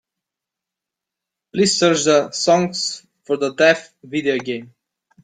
Please search the Songs for the Deaf video game.